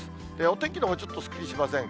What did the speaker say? お天気のほう、ちょっとすっきりしません。